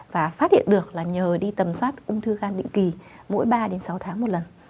và phát hiện được là nhờ đi tầm soát ung thư gan định kỳ mỗi ba đến sáu tháng một lần